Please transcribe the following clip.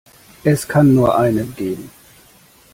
Es kann nur einen geben!